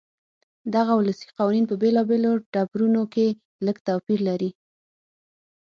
دغه ولسي قوانین په بېلابېلو ټبرونو کې لږ توپیر لري.